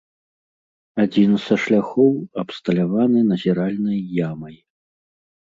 Адзін са шляхоў абсталяваны назіральнай ямай.